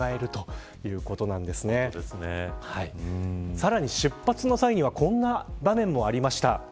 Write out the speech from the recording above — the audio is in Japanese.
さらに出発の際にはこんな場面もありました。